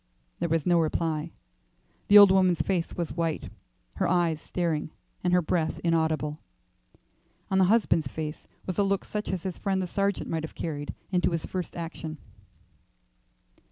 There was no reply; the old woman's face was white, her eyes staring, and her breath inaudible; on the husband's face was a look such as his friend the sergeant might have carried into his first action.